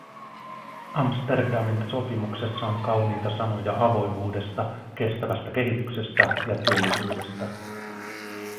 Amsterdamin sopimuksessa on kauniita sanoja avoimuudesta, kestävästä kehityksestä ja työllisyydestä.